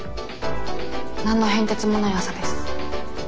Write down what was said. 何の変哲もない朝です。